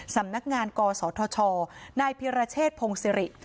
สำนักงานกศธชนายพิรเชษพงศิริ